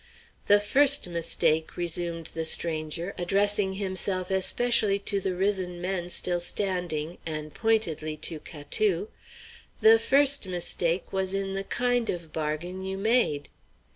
"The first mistake," resumed the stranger, addressing himself especially to the risen men still standing, and pointedly to Catou, "the first mistake was in the kind of bargain you made."